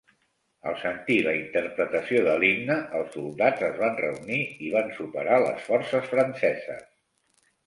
Al sentir la interpretació de l'himne, els soldats es van reunir i van superar les forces franceses.